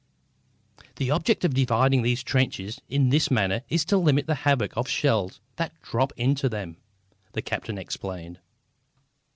"The object of dividing these trenches in this manner is to limit the havoc of shells that drop into them," the captain explained.